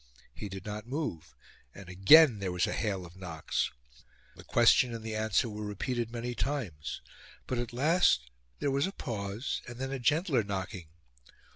He did not move, and again there was a hail of knocks. The question and the answer were repeated many times; but at last there was a pause, and then a gentler knocking.